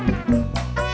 alia gak ada ajak rapat